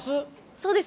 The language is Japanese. そうです。